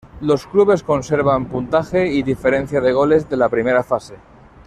Los clubes conservan puntaje y diferencia de goles de la primera fase.